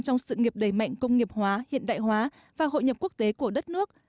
trong sự nghiệp đẩy mạnh công nghiệp hóa hiện đại hóa và hội nhập quốc tế của đất nước